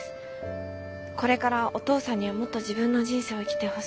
これからお父さんにはもっと自分の人生を生きてほしい。